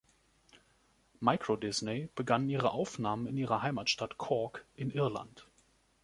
Microdisney begannen ihre Aufnahmen in ihrer Heimatstadt Cork in Irland.